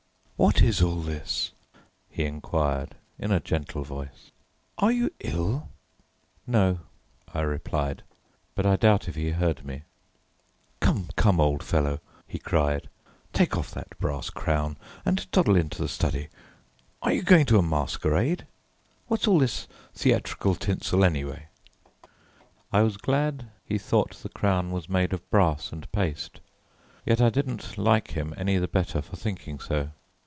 "What is all this?" he inquired, in a gentle voice. "Are you ill?" "No," I replied. But I doubt if he heard me. "Come, come, old fellow," he cried, "take off that brass crown and toddle into the study. Are you going to a masquerade? What's all this theatrical tinsel anyway?" I was glad he thought the crown was made of brass and paste, yet I didn't like him any the better for thinking so.